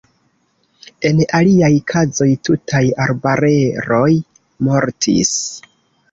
En aliaj kazoj tutaj arbareroj mortis.